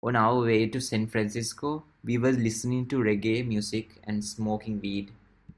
On our way to San Francisco, we were listening to reggae music and smoking weed.